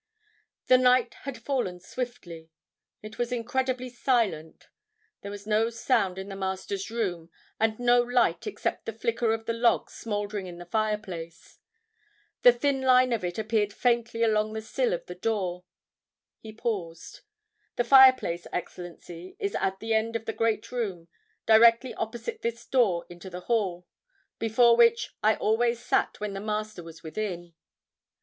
"The night had fallen swiftly. It was incredibly silent. There was no sound in the Master's room, and no light except the flicker of the logs smoldering in the fireplace. The thin line of it appeared faintly along the sill of the door." He paused. "The fireplace, Excellency, is at the end of the great room, directly opposite this door into the hall, before which I always sat when the Master was within.